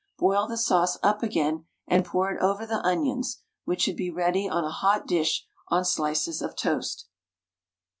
Boil the sauce up again and pour it over the onions, which should be ready on a hot dish on slices of toast.